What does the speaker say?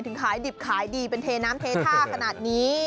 ขายดิบขายดีเป็นเทน้ำเทท่าขนาดนี้